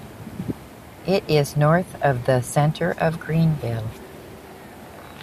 It is north of the center of Greenville.